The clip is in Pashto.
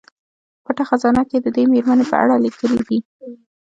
په پټه خزانه کې یې د دې میرمنې په اړه لیکلي دي.